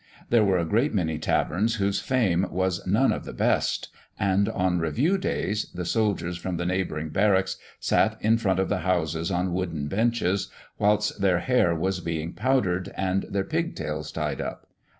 There were a great many taverns whose fame was none of the best; and, on review days, the soldiers from the neighbouring barracks sat in front of the houses on wooden benches, whilst their hair was being powdered, and their pig tails tied up.